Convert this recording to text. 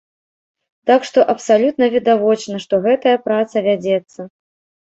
Так што абсалютна відавочна, што гэтая праца вядзецца.